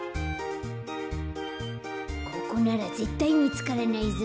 ここならぜったいみつからないぞ。